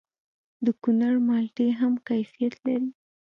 د کونړ مالټې هم کیفیت لري.